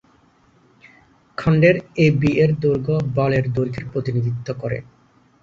খন্ডের A B এর দৈর্ঘ্য বলের দৈর্ঘ্যের প্রতিনিধিত্ব করে।